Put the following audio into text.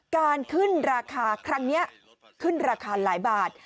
การขึ้นราคาครั้งนี้ขึ้นราคาหลายบาท